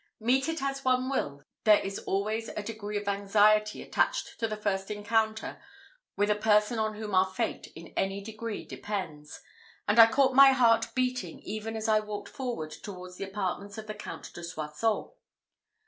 Meet it as one will, there is always a degree of anxiety attached to the first encounter with a person on whom our fate in any degree depends, and I caught my heart beating even as I walked forward towards the apartments of the Count de Soissons.